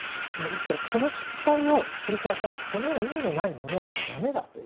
ですからこの失敗を繰り返さないこのような意味のないものでは駄目だと。